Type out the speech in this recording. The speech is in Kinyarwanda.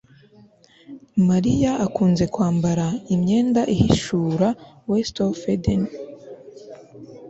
Mariya akunze kwambara imyenda ihishura WestofEden